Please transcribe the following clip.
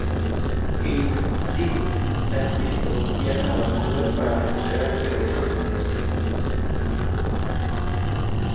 Irina, Sydney y Jack Bristow viajan a Vancouver para recuperar el Horizonte.